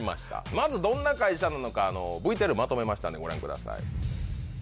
まずどんな会社なのかＶＴＲまとめましたんでご覧ください